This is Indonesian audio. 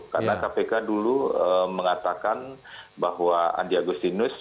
karena kpk dulu mengatakan bahwa andi agustinus